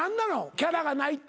キャラがないって。